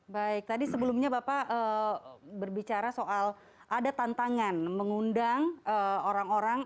baik tadi sebelumnya bapak berbicara soal ada tantangan mengundang orang orang